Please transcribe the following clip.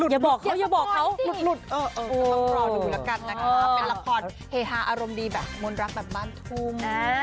โหยโอ้ยลุดดูแล้วกันนะครับว่าเฮหาอารมณ์ดีแบบมนตรรักแบบบ้านทุม